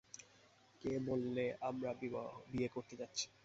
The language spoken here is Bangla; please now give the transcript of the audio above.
কে বললে আমরা বিয়ে করতে যাচ্ছি?